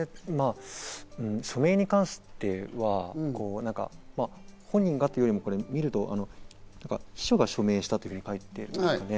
署名に関しては、本人がというよりも、見ると、秘書が署名したと書いてあるんですね。